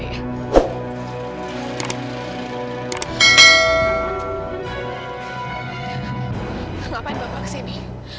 kenapa bapak kesini